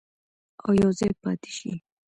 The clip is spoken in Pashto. او یوځای پاتې شي.